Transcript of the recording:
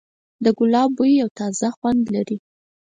د ګلاب بوی یو تازه خوند لري.